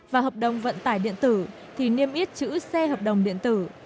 và hợp đồng vận tải điện tử thì niêm yết chữ xe hợp đồng điện tử